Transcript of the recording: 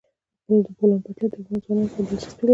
د بولان پټي د افغان ځوانانو لپاره دلچسپي لري.